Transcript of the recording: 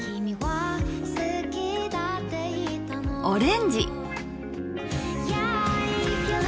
オレンジ。